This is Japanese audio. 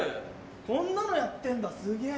こんなのやってんだすげぇ！